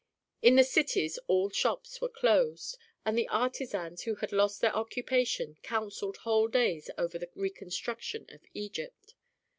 In the cities all shops were closed, and the artisans who had lost their occupation counselled whole days over the reconstruction of Egypt.